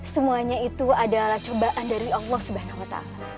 semuanya itu adalah cobaan dari allah swt